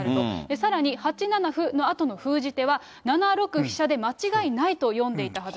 さらに８七歩のあとの封じ手は、７六飛車で間違いないと読んでいたはず。